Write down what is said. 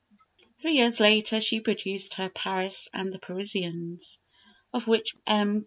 Three years later she produced her "Paris and the Parisians," of which M.